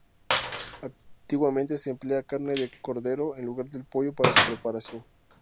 Antiguamente se empleaba carne de cordero en lugar del pollo para su preparación.